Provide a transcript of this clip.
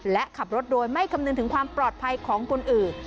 และขับรถโดยไม่คำนึงถึงความปลอดภัยของคนอื่น